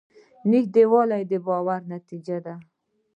نږدېوالی د باور نتیجه ده.